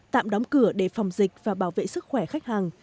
tạm đóng cửa để phòng dịch và bảo vệ sức khỏe khách hàng